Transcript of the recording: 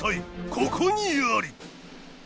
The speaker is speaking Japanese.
ここにあり！